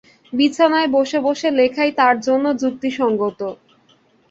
বিছানায় বসে বসে লেখাই তার জন্যে যুক্তিসঙ্গত।